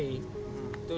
itu secara ngandung